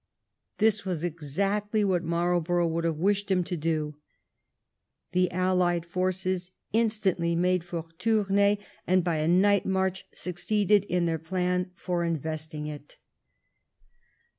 This was exactly what Marlborough would have wished him to do. The allied forces instantly made for Tournay, and by a night march succeeded in their plan for investing it.